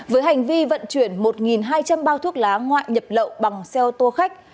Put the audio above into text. với hành vi vận chuyển một hai trăm linh bao thuốc lá ngoại nhập lậu bằng xe ô tô khách